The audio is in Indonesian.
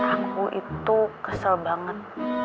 aku itu kesel banget